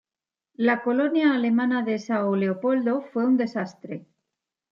La colonia alemana de São Leopoldo fue un desastre.